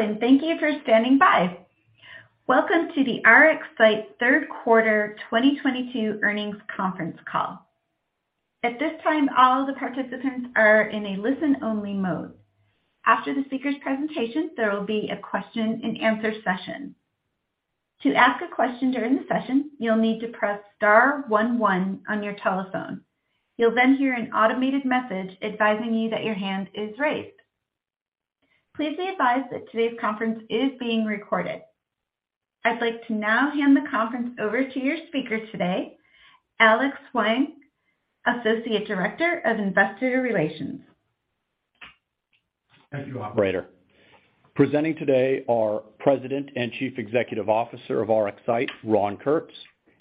Hello, and thank you for standing by. Welcome to the RxSight third quarter 2022 earnings conference call. At this time, all the participants are in a listen-only mode. After the speakers' presentation, there will be a question-and-answer session. To ask a question during the session, you'll need to press star one one on your telephone. You'll then hear an automated message advising you that your hand is raised. Please be advised that today's conference is being recorded. I'd like to now hand the conference over to your speaker today, Alex Huang, Associate Director of Investor Relations. Thank you, operator. Presenting today are President and Chief Executive Officer of RxSight, Ron Kurtz,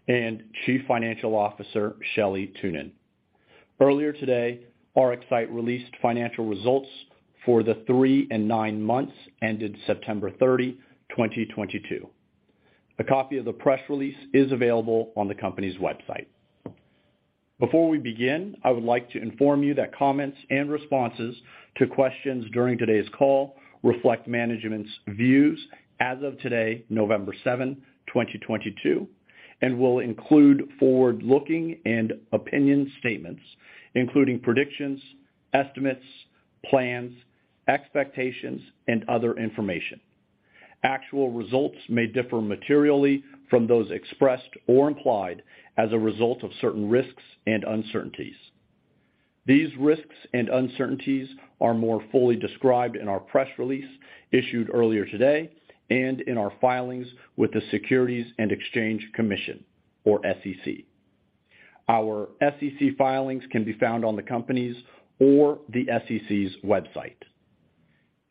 and Chief Financial Officer Shelley Thunen. Earlier today, RxSight released financial results for the three and nine months ended September 30, 2022. A copy of the press release is available on the company's website. Before we begin, I would like to inform you that comments and responses to questions during today's call reflect management's views as of today, November 7, 2022, and will include forward-looking and opinion statements, including predictions, estimates, plans, expectations, and other information. Actual results may differ materially from those expressed or implied as a result of certain risks and uncertainties. These risks and uncertainties are more fully described in our press release issued earlier today and in our filings with the Securities and Exchange Commission, or SEC. Our SEC filings can be found on the company's or the SEC's website.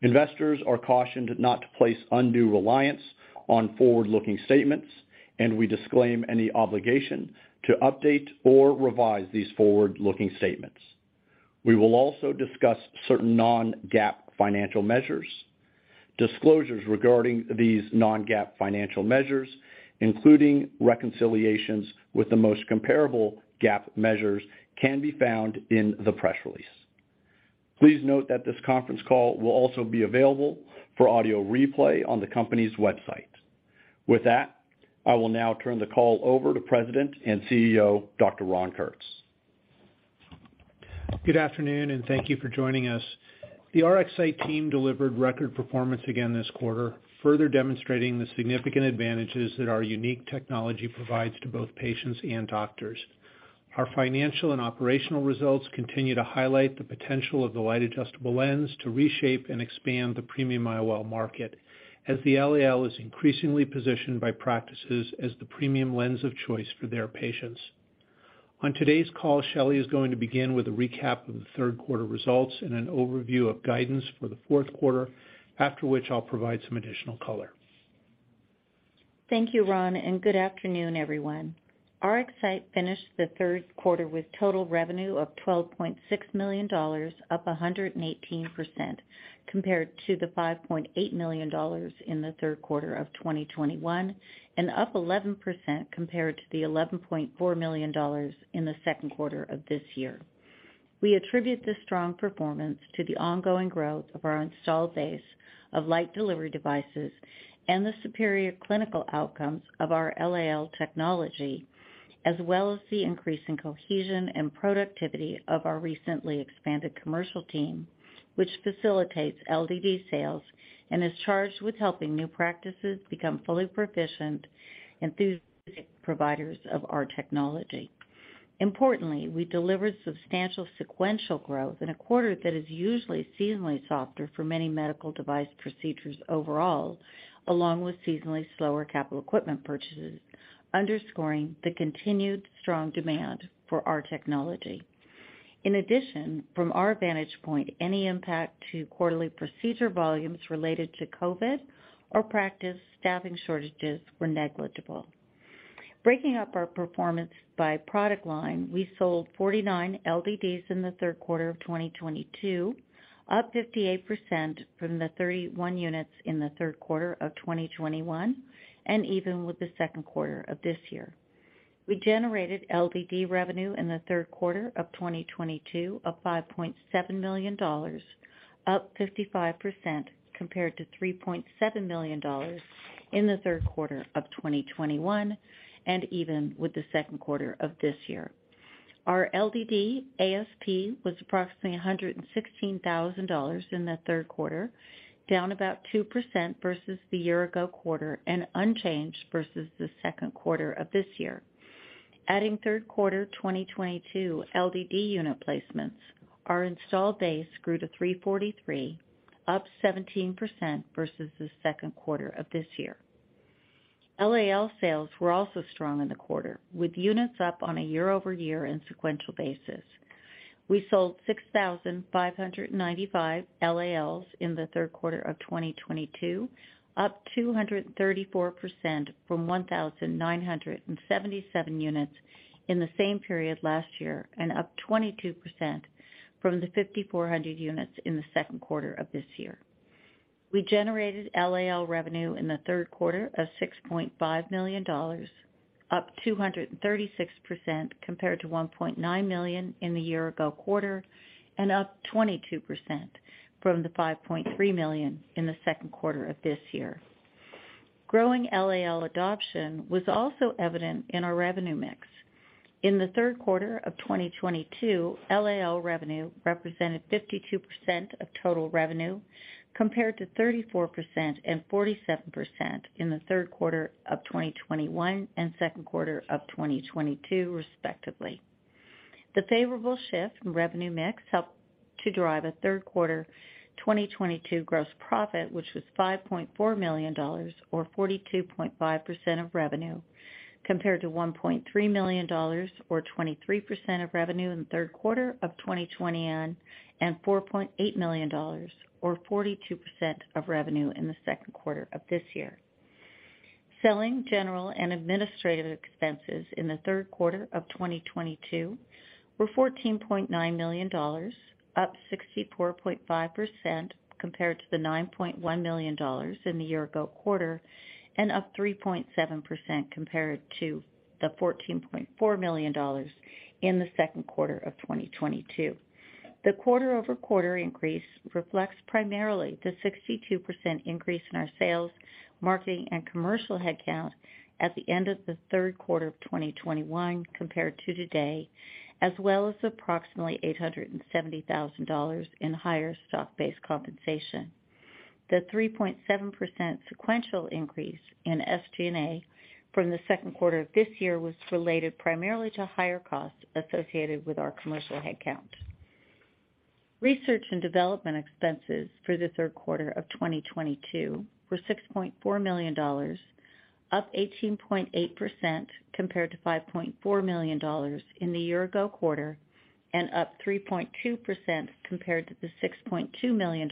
Investors are cautioned not to place undue reliance on forward-looking statements, and we disclaim any obligation to update or revise these forward-looking statements. We will also discuss certain non-GAAP financial measures. Disclosures regarding these non-GAAP financial measures, including reconciliations with the most comparable GAAP measures, can be found in the press release. Please note that this conference call will also be available for audio replay on the company's website. With that, I will now turn the call over to President and CEO, Dr. Ron Kurtz. Good afternoon, and thank you for joining us. The RxSight team delivered record performance again this quarter, further demonstrating the significant advantages that our unique technology provides to both patients and doctors. Our financial and operational results continue to highlight the potential of the Light Adjustable Lens to reshape and expand the premium IOL market as the LAL is increasingly positioned by practices as the premium lens of choice for their patients. On today's call, Shelley is going to begin with a recap of the third quarter results and an overview of guidance for the fourth quarter, after which I'll provide some additional color. Thank you, Ron, and good afternoon, everyone. RxSight finished the third quarter with total revenue of $12.6 million, up 118% compared to the $5.8 million in the third quarter of 2021 and up 11% compared to the $11.4 million in the second quarter of this year. We attribute this strong performance to the ongoing growth of our installed base of Light Delivery Device and the superior clinical outcomes of our LAL technology, as well as the increasing cohesion and productivity of our recently expanded commercial team, which facilitates LDD sales and is charged with helping new practices become fully proficient, enthusiastic providers of our technology. Importantly, we delivered substantial sequential growth in a quarter that is usually seasonally softer for many medical device procedures overall, along with seasonally slower capital equipment purchases, underscoring the continued strong demand for our technology. In addition, from our vantage point, any impact to quarterly procedure volumes related to COVID or practice staffing shortages were negligible. Breaking up our performance by product line, we sold 49 LDDs in the third quarter of 2022, up 58% from the 31 units in the third quarter of 2021 and even with the second quarter of this year. We generated LDD revenue in the third quarter of 2022 of $5.7 million, up 55% compared to $3.7 million in the third quarter of 2021 and even with the second quarter of this year. Our LDD ASP was approximately $116,000 in the third quarter, down about 2% versus the year ago quarter and unchanged versus the second quarter of this year. Adding third quarter 2022 LDD unit placements, our installed base grew to 343, up 17% versus the second quarter of this year. LAL sales were also strong in the quarter, with units up on a year-over-year and sequential basis. We sold 6,595 LALs in the third quarter of 2022, up 234% from 1,977 units in the same period last year and up 22% from the 5,400 units in the second quarter of this year. We generated LAL revenue in the third quarter of $6.5 million. Up 236% compared to $1.9 million in the year-ago quarter and up 22% from the $5.3 million in the second quarter of this year. Growing LAL adoption was also evident in our revenue mix. In the third quarter of 2022, LAL revenue represented 52% of total revenue, compared to 34% and 47% in the third quarter of 2021 and second quarter of 2022, respectively. The favorable shift in revenue mix helped to drive a third quarter 2022 gross profit, which was $5.4 million or 42.5% of revenue, compared to $1.3 million or 23% of revenue in the third quarter of 2021 and $4.8 million or 42% of revenue in the second quarter of this year. Selling, general, and administrative expenses in the third quarter of 2022 were $14.9 million, up 64.5% compared to the $9.1 million in the year-ago quarter and up 3.7% compared to the $14.4 million in the second quarter of 2022. The quarter-over-quarter increase reflects primarily the 62% increase in our sales, marketing and commercial headcount at the end of the third quarter of 2021 compared to today, as well as approximately $870,000 in higher stock-based compensation. The 3.7% sequential increase in SG&A from the second quarter of this year was related primarily to higher costs associated with our commercial headcount. Research and development expenses for the third quarter of 2022 were $6.4 million, up 18.8% compared to $5.4 million in the year-ago quarter and up 3.2% compared to the $6.2 million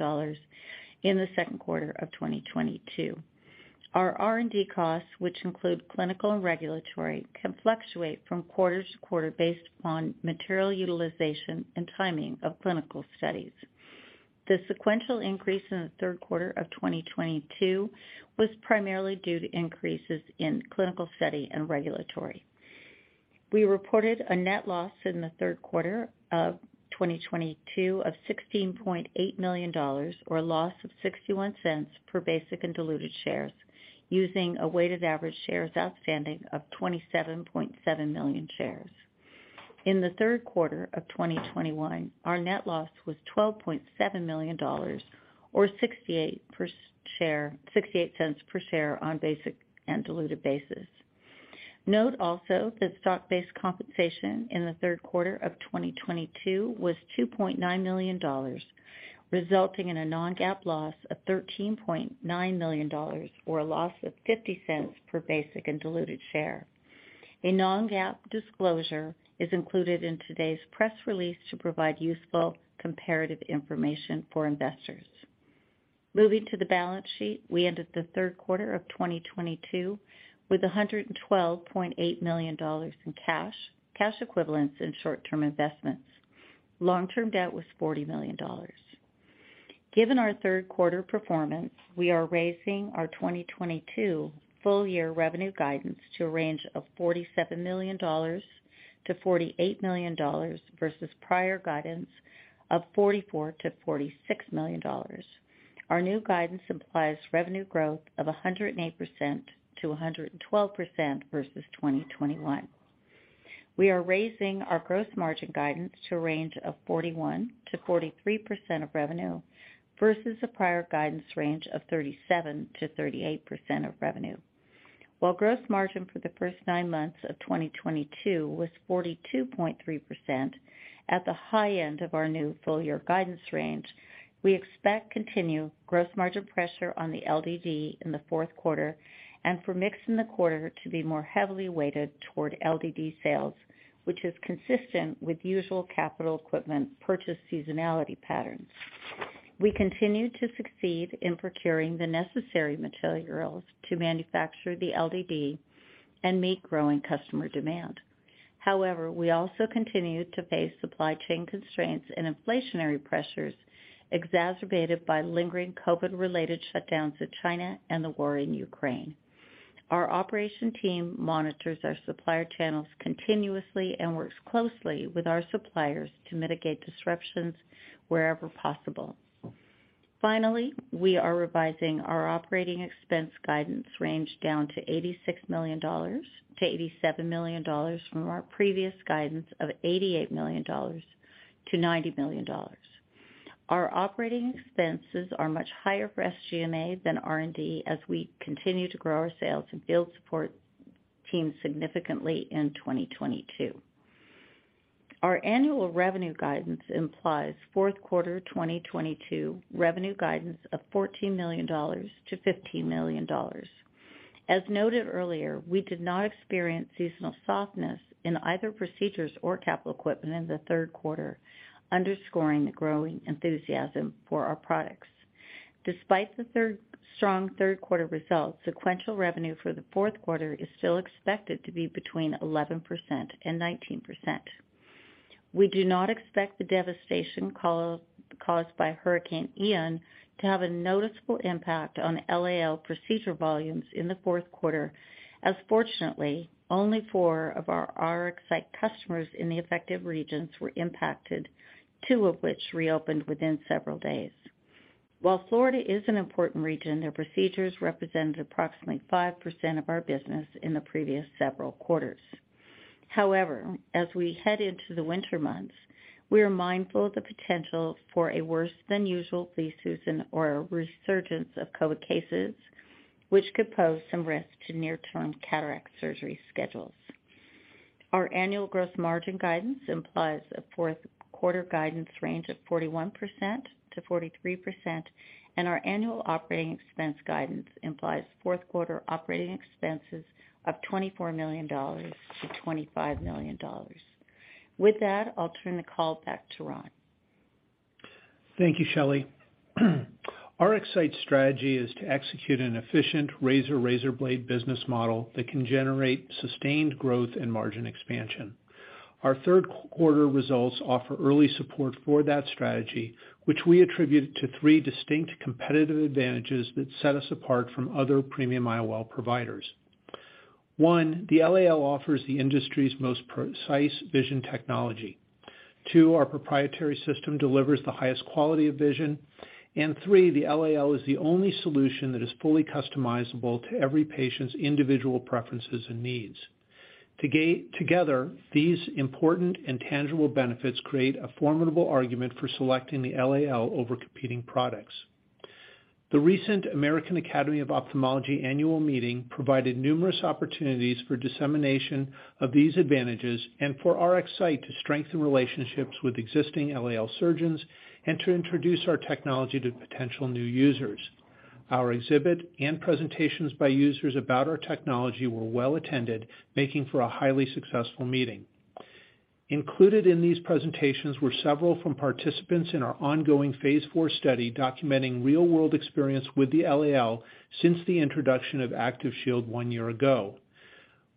in the second quarter of 2022. Our R&D costs, which include clinical and regulatory, can fluctuate from quarter to quarter based upon material utilization and timing of clinical studies. The sequential increase in the third quarter of 2022 was primarily due to increases in clinical study and regulatory. We reported a net loss in the third quarter of 2022 of $16.8 million or a loss of $0.61 per basic and diluted share using a weighted average shares outstanding of 27.7 million shares. In the third quarter of 2021, our net loss was $12.7 million or $0.68 per share on basic and diluted basis. Note also that stock-based compensation in the third quarter of 2022 was $2.9 million, resulting in a non-GAAP loss of $13.9 million or a loss of $0.50 per basic and diluted share. A non-GAAP disclosure is included in today's press release to provide useful comparative information for investors. Moving to the balance sheet, we ended the third quarter of 2022 with $112.8 million in cash equivalents and short-term investments. Long-term debt was $40 million. Given our third quarter performance, we are raising our 2022 full year revenue guidance to a range of $47 million-$48 million versus prior guidance of $44 million-$46 million. Our new guidance implies revenue growth of 108%-112% versus 2021. We are raising our gross margin guidance to a range of 41%-43% of revenue versus a prior guidance range of 37%-38% of revenue. While gross margin for the first nine months of 2022 was 42.3% at the high end of our new full-year guidance range, we expect continued gross margin pressure on the LDD in the fourth quarter and for mix in the quarter to be more heavily weighted toward LDD sales, which is consistent with usual capital equipment purchase seasonality patterns. We continue to succeed in procuring the necessary materials to manufacture the LDD and meet growing customer demand. However, we also continue to face supply chain constraints and inflationary pressures exacerbated by lingering COVID-related shutdowns in China and the war in Ukraine. Our operations team monitors our supplier channels continuously and works closely with our suppliers to mitigate disruptions wherever possible. Finally, we are revising our operating expense guidance range down to $86 million-$87 million from our previous guidance of $88 million-$90 million. Our operating expenses are much higher for SG&A than R&D as we continue to grow our sales and field support team significantly in 2022. Our annual revenue guidance implies fourth quarter 2022 revenue guidance of $14 million-$15 million. As noted earlier, we did not experience seasonal softness in either procedures or capital equipment in the third quarter, underscoring the growing enthusiasm for our products. Despite strong third quarter results, sequential revenue for the fourth quarter is still expected to be between 11% and 19%. We do not expect the devastation caused by Hurricane Ian to have a noticeable impact on LAL procedure volumes in the fourth quarter as fortunately, only four of our RxSight customers in the affected regions were impacted, two of which reopened within several days. While Florida is an important region, their procedures represented approximately 5% of our business in the previous several quarters. However, as we head into the winter months, we are mindful of the potential for a worse than usual flu season or a resurgence of COVID cases, which could pose some risk to near-term cataract surgery schedules. Our annual gross margin guidance implies a fourth quarter guidance range of 41%-43%, and our annual operating expense guidance implies fourth quarter operating expenses of $24 million-$25 million. With that, I'll turn the call back to Ron. Thank you, Shelley. Our RxSight strategy is to execute an efficient razor-razor blade business model that can generate sustained growth and margin expansion. Our third quarter results offer early support for that strategy, which we attribute to three distinct competitive advantages that set us apart from other premium IOL providers. One, the LAL offers the industry's most precise vision technology. Two, our proprietary system delivers the highest quality of vision. And three, the LAL is the only solution that is fully customizable to every patient's individual preferences and needs. Together, these important and tangible benefits create a formidable argument for selecting the LAL over competing products. The recent American Academy of Ophthalmology annual meeting provided numerous opportunities for dissemination of these advantages and for RxSight to strengthen relationships with existing LAL surgeons and to introduce our technology to potential new users. Our exhibit and presentations by users about our technology were well attended, making for a highly successful meeting. Included in these presentations were several from participants in our ongoing phase IV study documenting real-world experience with the LAL since the introduction of ActivShield 1 year ago.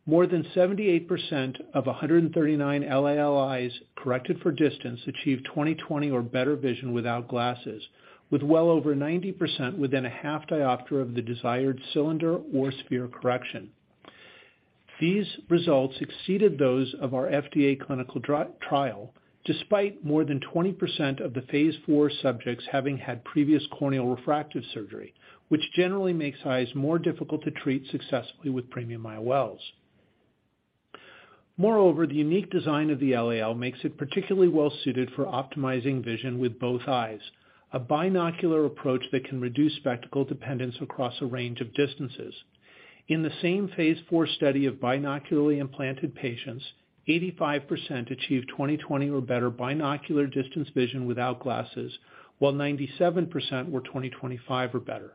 More than 78% of 139 LAL eyes corrected for distance achieved 20/20 or better vision without glasses, with well over 90% within a 0.5 diopter of the desired cylinder or sphere correction. These results exceeded those of our FDA clinical trial, despite more than 20% of the phase IV subjects having had previous corneal refractive surgery, which generally makes eyes more difficult to treat successfully with premium IOLs. Moreover, the unique design of the LAL makes it particularly well suited for optimizing vision with both eyes, a binocular approach that can reduce spectacle dependence across a range of distances. In the same phase IV study of binocularly implanted patients, 85% achieved 20/20 or better binocular distance vision without glasses, while 97% were 20/25 or better.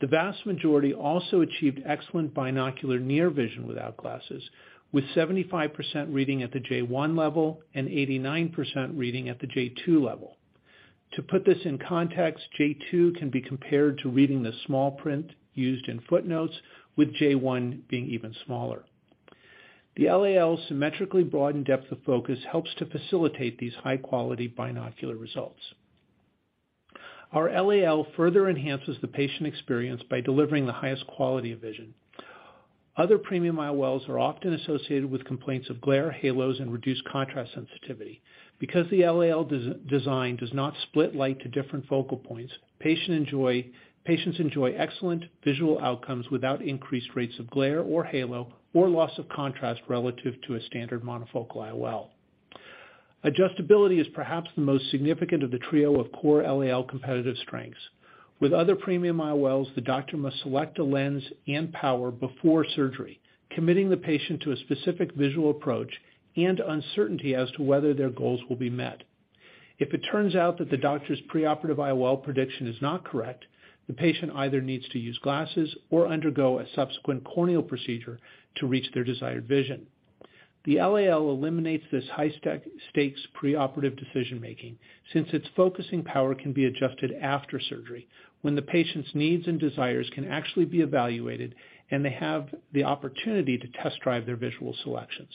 The vast majority also achieved excellent binocular near vision without glasses, with 75% reading at the J1 level and 89% reading at the J2 level. To put this in context, J2 can be compared to reading the small print used in footnotes, with J1 being even smaller. The LAL symmetrically broadened depth of focus helps to facilitate these high-quality binocular results. Our LAL further enhances the patient experience by delivering the highest quality of vision. Other premium IOLs are often associated with complaints of glare halos and reduced contrast sensitivity. Because the LAL design does not split light to different focal points, patients enjoy excellent visual outcomes without increased rates of glare or halo or loss of contrast relative to a standard monofocal IOL. Adjustability is perhaps the most significant of the trio of core LAL competitive strengths. With other premium IOLs, the doctor must select a lens and power before surgery, committing the patient to a specific visual approach and uncertainty as to whether their goals will be met. If it turns out that the doctor's preoperative IOL prediction is not correct, the patient either needs to use glasses or undergo a subsequent corneal procedure to reach their desired vision. The LAL eliminates this high-stakes preoperative decision-making since its focusing power can be adjusted after surgery when the patient's needs and desires can actually be evaluated and they have the opportunity to test-drive their visual selections.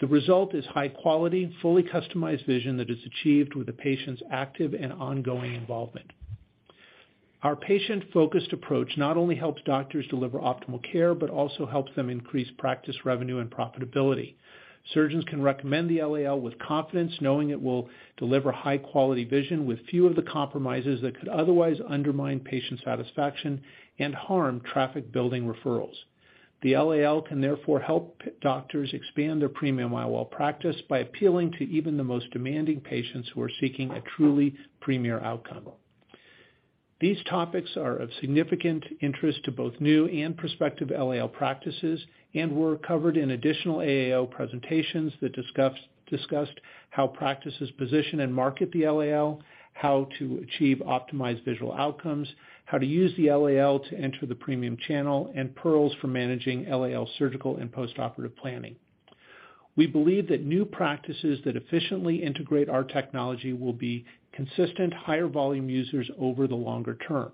The result is high quality, fully customized vision that is achieved with the patient's active and ongoing involvement. Our patient-focused approach not only helps doctors deliver optimal care, but also helps them increase practice revenue and profitability. Surgeons can recommend the LAL with confidence, knowing it will deliver high-quality vision with few of the compromises that could otherwise undermine patient satisfaction and harm practice building referrals. The LAL can therefore help doctors expand their premium IOL practice by appealing to even the most demanding patients who are seeking a truly premier outcome. These topics are of significant interest to both new and prospective LAL practices and were covered in additional AAO presentations that discussed how practices position and market the LAL, how to achieve optimized visual outcomes, how to use the LAL to enter the premium channel, and pearls for managing LAL surgical and postoperative planning. We believe that new practices that efficiently integrate our technology will be consistent higher volume users over the longer term.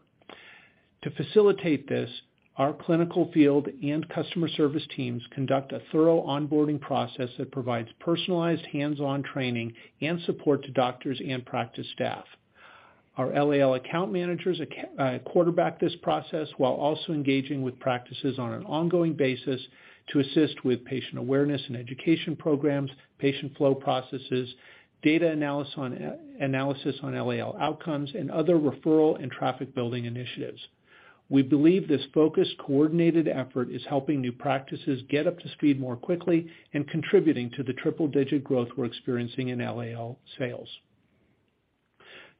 To facilitate this, our clinical field and customer service teams conduct a thorough onboarding process that provides personalized hands-on training and support to doctors and practice staff. Our LAL account managers quarterback this process while also engaging with practices on an ongoing basis to assist with patient awareness and education programs, patient flow processes, data analysis on, analysis on LAL outcomes, and other referral and traffic building initiatives. We believe this focused, coordinated effort is helping new practices get up to speed more quickly and contributing to the triple digit growth we're experiencing in LAL sales.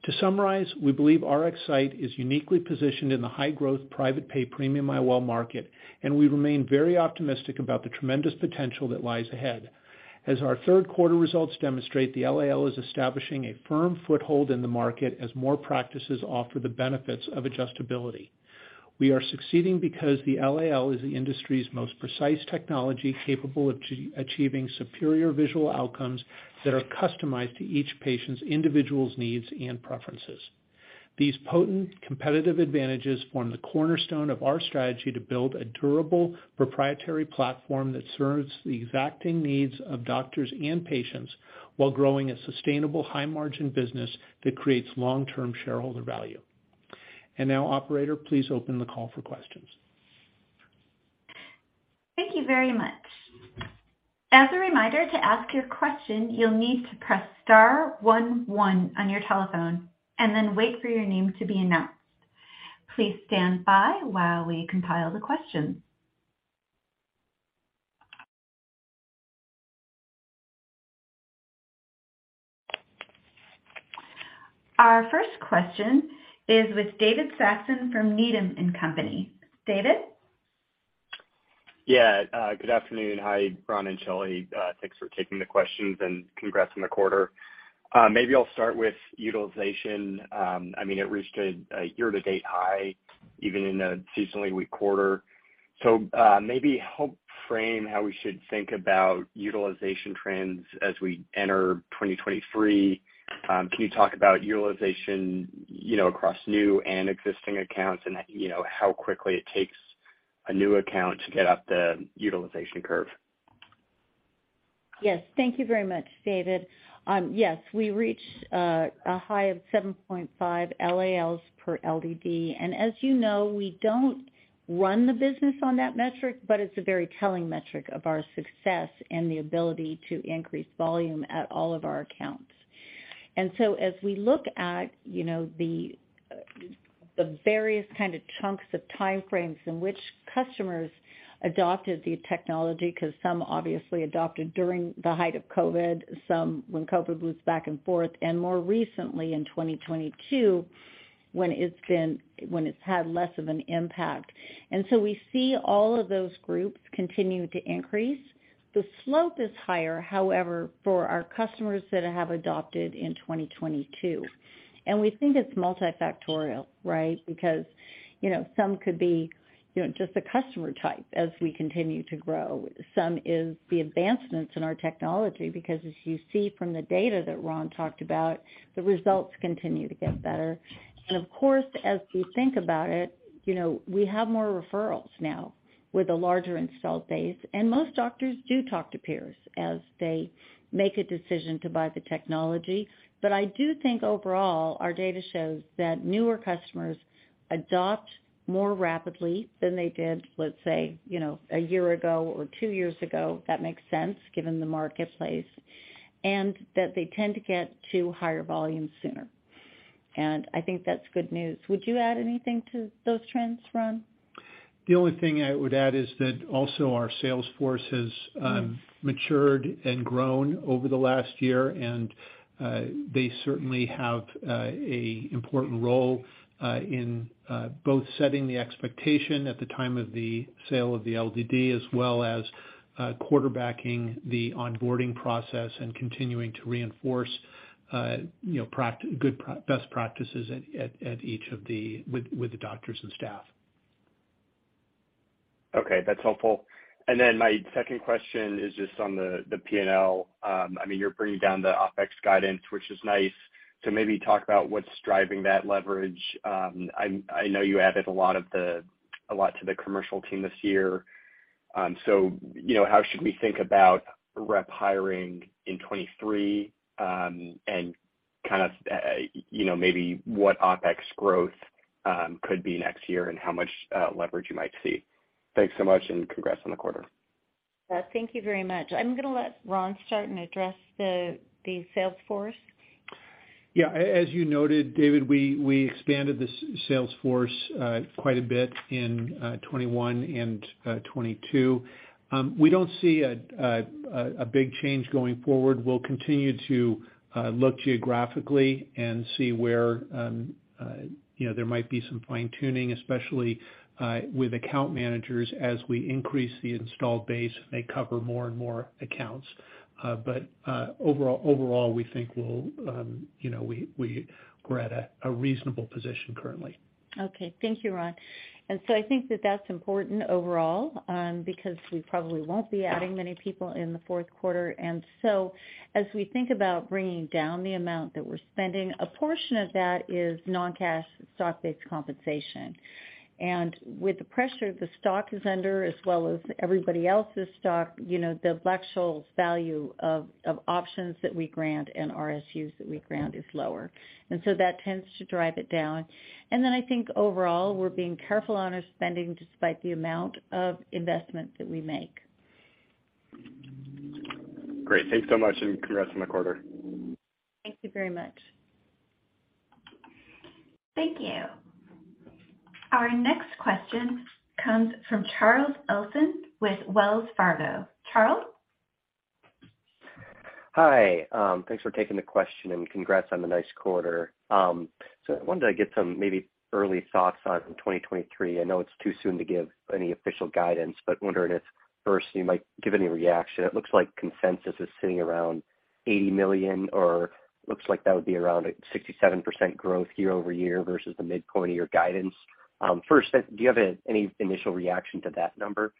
To summarize, we believe RxSight is uniquely positioned in the high growth private pay premium IOL market, and we remain very optimistic about the tremendous potential that lies ahead. As our third quarter results demonstrate, the LAL is establishing a firm foothold in the market as more practices offer the benefits of adjustability. We are succeeding because the LAL is the industry's most precise technology, capable of achieving superior visual outcomes that are customized to each patient's individual needs and preferences. These potent competitive advantages form the cornerstone of our strategy to build a durable proprietary platform that serves the exacting needs of doctors and patients while growing a sustainable high margin business that creates long-term shareholder value. Now, operator, please open the call for questions. Thank you very much. As a reminder, to ask your question, you'll need to press star one one on your telephone and then wait for your name to be announced. Please stand by while we compile the questions. Our first question is with David Saxon from Needham & Company. David? Yeah, good afternoon. Hi, Ron and Shelley. Thanks for taking the questions and congrats on the quarter. Maybe I'll start with utilization. I mean, it reached a year-to-date high even in a seasonally weak quarter. Maybe help frame how we should think about utilization trends as we enter 2023. Can you talk about utilization, you know, across new and existing accounts and, you know, how quickly it takes a new account to get up the utilization curve? Yes. Thank you very much, David. Yes, we reached a high of 7.5 LALs per LDD. As you know, we don't run the business on that metric, but it's a very telling metric of our success and the ability to increase volume at all of our accounts. We look at the various kind of chunks of time frames in which customers adopted the technology, because some obviously adopted during the height of COVID, some when COVID was back and forth, and more recently in 2022, when it's had less of an impact. We see all of those groups continue to increase. The slope is higher, however, for our customers that have adopted in 2022, and we think it's multifactorial, right? Because, you know, some could be, you know, just the customer type as we continue to grow. Some is the advancements in our technology, because as you see from the data that Ron talked about, the results continue to get better. Of course, as we think about it, you know, we have more referrals now with a larger install base. Most doctors do talk to peers as they make a decision to buy the technology. I do think overall, our data shows that newer customers adopt more rapidly than they did, let's say, you know, a year ago or two years ago. That makes sense given the marketplace. That they tend to get to higher volumes sooner. I think that's good news. Would you add anything to those trends, Ron? The only thing I would add is that also our sales force has matured and grown over the last year, and they certainly have a important role in both setting the expectation at the time of the sale of the LDD, as well as quarterbacking the onboarding process and continuing to reinforce you know best practices at each of the with the doctors and staff. Okay, that's helpful. My second question is just on the P&L. I mean, you're bringing down the OpEx guidance, which is nice. Maybe talk about what's driving that leverage. I know you added a lot to the commercial team this year. You know, how should we think about rep hiring in 2023, and kind of, you know, maybe what OpEx growth could be next year and how much leverage you might see. Thanks so much and congrats on the quarter. Thank you very much. I'm gonna let Ron start and address the sales force. Yeah. As you noted, David, we expanded the sales force quite a bit in 2021 and 2022. We don't see a big change going forward. We'll continue to look geographically and see where you know there might be some fine-tuning, especially with account managers as we increase the installed base, and they cover more and more accounts. But overall, we think we'll you know we're at a reasonable position currently. Okay. Thank you, Ron. I think that that's important overall, because we probably won't be adding many people in the fourth quarter. As we think about bringing down the amount that we're spending, a portion of that is non-cash stock-based compensation. With the pressure the stock is under as well as everybody else's stock, you know, the actual value of options that we grant and RSUs that we grant is lower. That tends to drive it down. I think overall, we're being careful on our spending despite the amount of investment that we make. Great. Thanks so much, and congrats on the quarter. Thank you very much. Thank you. Our next question comes from Larry Biegelsen with Wells Fargo. Larry? Hi, thanks for taking the question, and congrats on the nice quarter. I wanted to get some maybe early thoughts on 2023. I know it's too soon to give any official guidance, but wondering if first you might give any reaction. It looks like consensus is sitting around $80 million, or looks like that would be around 67% growth year-over-year versus the mid-quarter guidance. First, do you have any initial reaction to that number?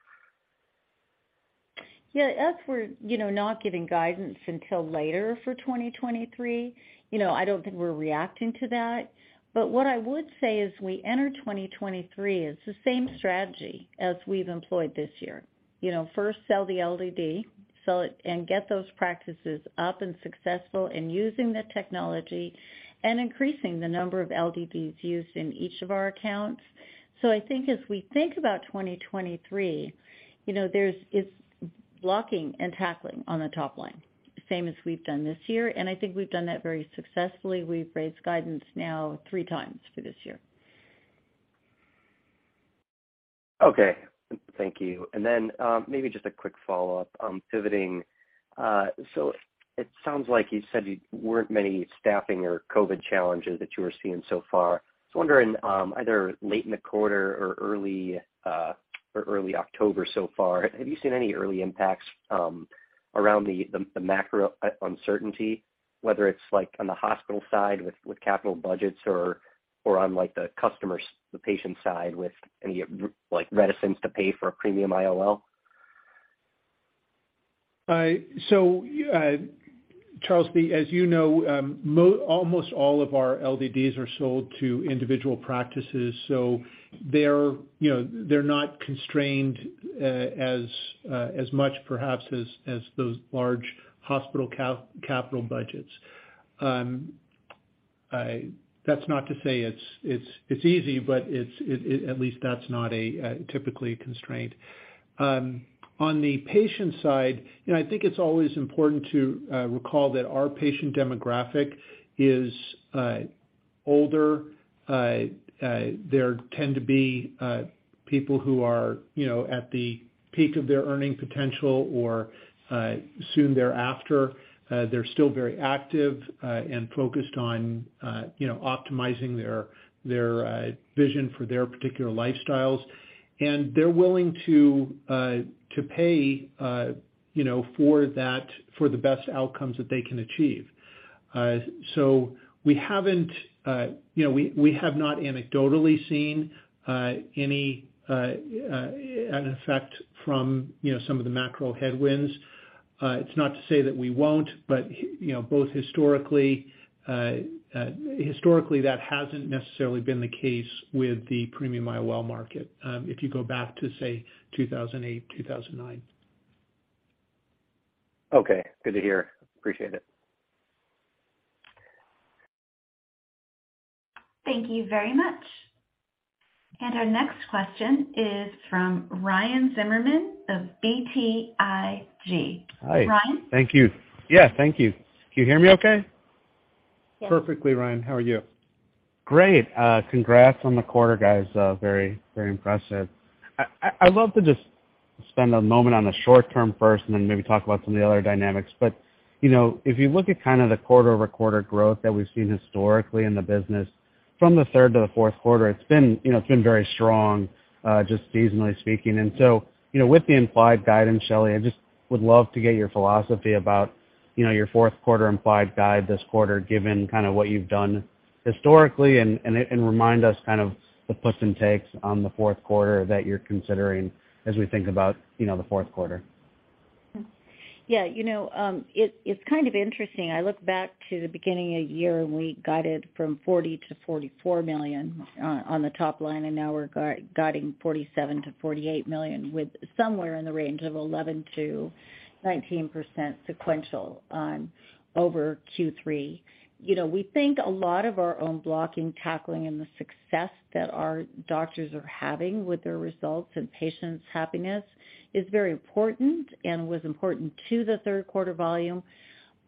Yeah. As we're, you know, not giving guidance until later for 2023, you know, I don't think we're reacting to that. What I would say as we enter 2023, it's the same strategy as we've employed this year. You know, first sell the LDD, sell it and get those practices up and successful in using the technology and increasing the number of LDDs used in each of our accounts. I think as we think about 2023, you know, it's blocking and tackling on the top line, same as we've done this year. I think we've done that very successfully. We've raised guidance now three times for this year. Okay. Thank you. Maybe just a quick follow-up, pivoting. It sounds like you said there weren't many staffing or COVID challenges that you were seeing so far. Wondering, either late in the quarter or early October so far, have you seen any early impacts around the macro uncertainty, whether it's like on the hospital side with capital budgets or on like the customer, the patient side with any like reticence to pay for a premium IOL? Larry, as you know, almost all of our LDDs are sold to individual practices. They're, you know, not constrained as much perhaps as those large hospital capital budgets. That's not to say it's easy, but at least that's not typically a constraint. On the patient side, you know, I think it's always important to recall that our patient demographic is older. There tend to be people who are, you know, at the peak of their earning potential or soon thereafter. They're still very active and focused on, you know, optimizing their vision for their particular lifestyles. They're willing to pay, you know, for that, for the best outcomes that they can achieve. We haven't, you know, anecdotally seen any effect from, you know, some of the macro headwinds. It's not to say that we won't, but, you know, both historically, that hasn't necessarily been the case with the premium IOL market, if you go back to, say, 2008, 2009. Okay. Good to hear. Appreciate it. Thank you very much. Our next question is from Ryan Zimmerman of BTIG. Hi. Ryan? Thank you. Yeah, thank you. Can you hear me okay? Yes. Perfectly, Ryan. How are you? Great. Congrats on the quarter, guys. Very, very impressive. I'd love to just spend a moment on the short term first and then maybe talk about some of the other dynamics. You know, if you look at kind of the quarter-over-quarter growth that we've seen historically in the business from the third to the fourth quarter, it's been, you know, it's been very strong, just seasonally speaking. You know, with the implied guidance, Shelley, I just would love to get your philosophy about, you know, your fourth quarter implied guide this quarter, given kind of what you've done historically and remind us kind of the puts and takes on the fourth quarter that you're considering as we think about, you know, the fourth quarter. Yeah. You know, it's kind of interesting. I look back to the beginning of the year when we guided from $40 million-$44 million on the top line, and now we're guiding $47 million-$48 million with somewhere in the range of 11%-19% sequential growth over Q3. You know, we think a lot of our own blocking, tackling and the success that our doctors are having with their results and patients' happiness is very important and was important to the third quarter volume.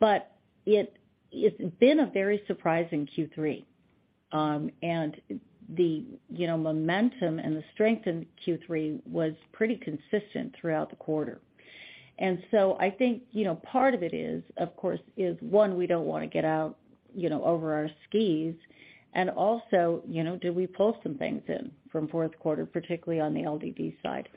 It, it's been a very surprising Q3. The, you know, momentum and the strength in Q3 was pretty consistent throughout the quarter. I think, you know, part of it is, of course, one, we don't wanna get out, you know, over our skis. Also, you know, do we pull some things in from fourth quarter, particularly on the LDD side?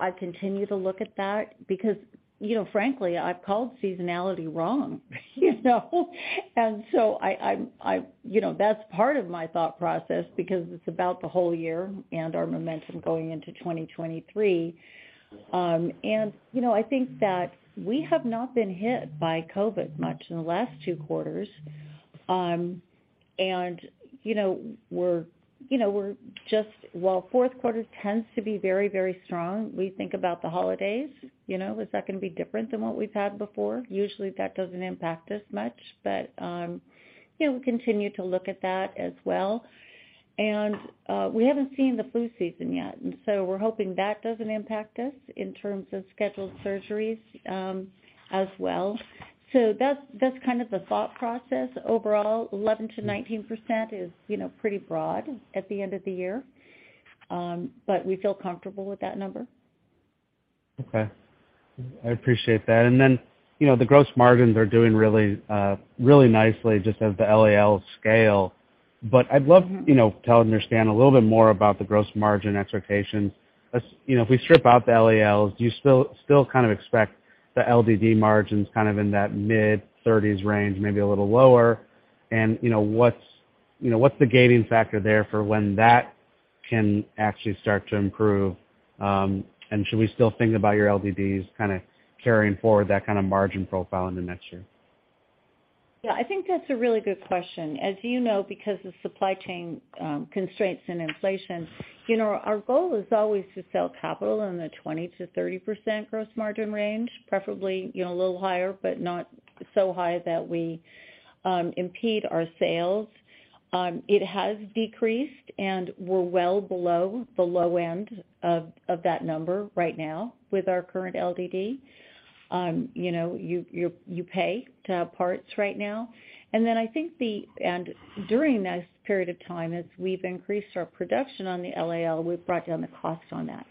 I continue to look at that because, you know, frankly, I've called seasonality wrong, you know? I you know, that's part of my thought process because it's about the whole year and our momentum going into 2023. You know, I think that we have not been hit by COVID much in the last two quarters. You know, we're you know, we're just, while fourth quarter tends to be very, very strong, we think about the holidays. You know, is that gonna be different than what we've had before? Usually, that doesn't impact us much. You know, we continue to look at that as well. We haven't seen the flu season yet, and so we're hoping that doesn't impact us in terms of scheduled surgeries, as well. That's kind of the thought process. Overall, 11%-19% is, you know, pretty broad at the end of the year, but we feel comfortable with that number. Okay. I appreciate that. Then, you know, the gross margins are doing really, really nicely just as the LAL scale. I'd love, you know, to understand a little bit more about the gross margin expectations. As, you know, if we strip out the LALs, do you still kind of expect the LDD margins kind of in that mid-thirties range, maybe a little lower? You know, what's the gating factor there for when that can actually start to improve? Should we still think about your LDDs kinda carrying forward that kinda margin profile into next year? Yeah, I think that's a really good question. As you know, because of supply chain constraints and inflation, you know, our goal is always to sell capital in the 20%-30% gross margin range, preferably, you know, a little higher, but not so high that we impede our sales. It has decreased, and we're well below the low end of that number right now with our current LDD. You know, you pay to have parts right now. During this period of time, as we've increased our production on the LAL, we've brought down the cost on that.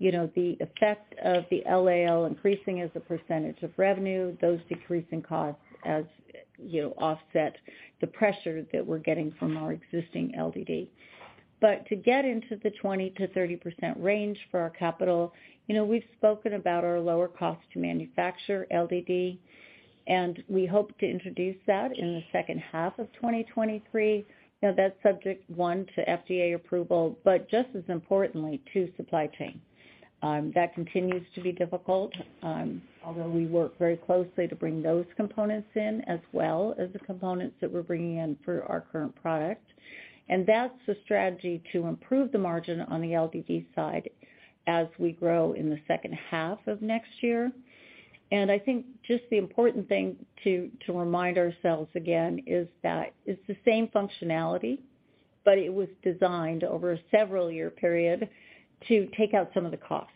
You know, the effect of the LAL increasing as a percentage of revenue, those decreasing costs as you know offset the pressure that we're getting from our existing LDD. To get into the 20%-30% range for our capital, you know, we've spoken about our lower cost to manufacture LDD, and we hope to introduce that in the second half of 2023. You know, that's subject, one, to FDA approval, but just as importantly, two, supply chain. That continues to be difficult, although we work very closely to bring those components in as well as the components that we're bringing in for our current product. That's the strategy to improve the margin on the LDD side as we grow in the second half of next year. I think just the important thing to remind ourselves again is that it's the same functionality, but it was designed over a several-year period to take out some of the cost.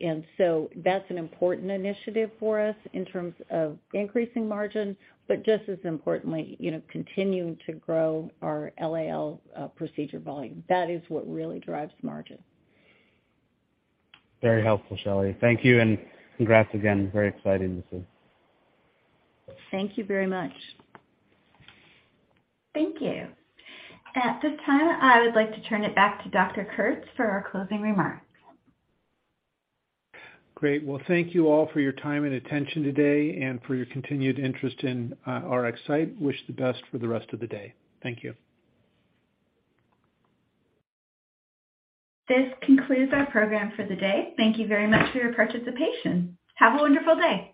That's an important initiative for us in terms of increasing margin, but just as importantly, you know, continuing to grow our LAL procedure volume. That is what really drives margin. Very helpful, Shelley. Thank you, and congrats again. Very exciting to see. Thank you very much. Thank you. At this time, I would like to turn it back to Dr. Kurtz for our closing remarks. Great. Well, thank you all for your time and attention today, and for your continued interest in RxSight. Wish the best for the rest of the day. Thank you. This concludes our program for the day. Thank you very much for your participation. Have a wonderful day.